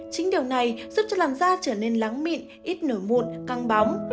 chính điều này giúp cho làn da trở nên lắng mịn ít nổi mụn căng bóng